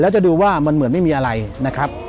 แล้วจะดูว่ามันเหมือนไม่มีอะไรนะครับ